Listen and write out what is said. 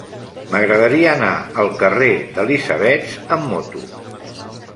M'agradaria anar al carrer d'Elisabets amb moto.